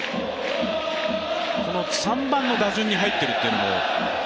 ３番の打順に入っているというのも？